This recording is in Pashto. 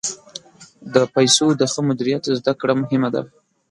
د پیسو د ښه مدیریت زده کړه مهمه ده.